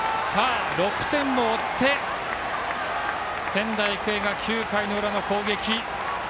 ６点を追って仙台育英が９回の裏の攻撃。